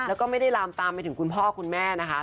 แล้วก็ไม่ได้ลามตามไปถึงคุณพ่อคุณแม่นะคะ